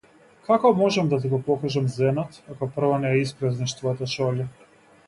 Како можам да ти го покажам зенот ако прво не ја испразниш твојата шолја?